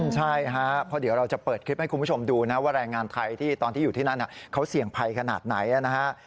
ใช่ฮะเพราะเดี๋ยวเราจะเปิดคลิปให้คุณผู้ชมดูนะว่าแรงงานไทยที่ตอนที่อยู่ที่นั่นเขาเสี่ยงภัยขนาดไหนนะฮะ